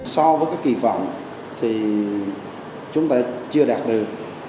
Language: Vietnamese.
so với cái kỳ vọng thì chúng ta chưa đạt được